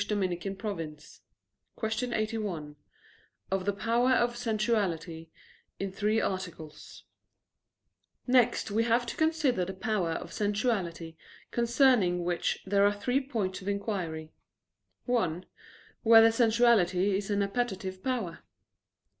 _______________________ QUESTION 81 OF THE POWER OF SENSUALITY (In Three Articles) Next we have to consider the power of sensuality, concerning which there are three points of inquiry: (1) Whether sensuality is only an appetitive power?